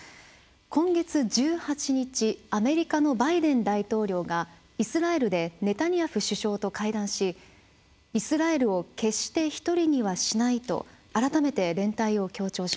今月１８日アメリカのバイデン大統領がイスラエルでネタニヤフ首相と会談しイスラエルを決して１人にはしないと改めて連帯を強調しました。